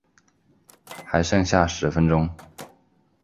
还剩下十分钟